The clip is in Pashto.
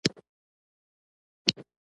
دا سپين ږيری د اصولي صیب پلار حاجي صیب میرحمزه و.